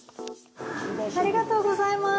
ありがとうございます。